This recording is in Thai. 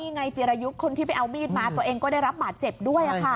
นี่ไงเจียระยุคคนที่ไปเอามีดมาตัวเองก็ได้รับหมาดเจ็บด้วย